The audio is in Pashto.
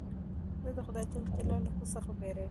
زه د خدای جل جلاله څخه بېرېږم.